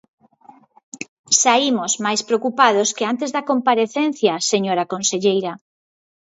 Saímos máis preocupados que antes da comparecencia, señora conselleira.